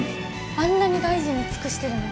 あんなに大臣に尽くしてるのに。